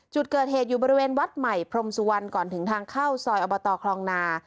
จุดเกิดเหตุอยู่บริเวณวัดใหม่พรมสุวรรณก่อนถึงทางเข้าซอยอบตคลองนา